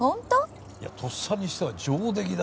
とっさにしては上出来だよ。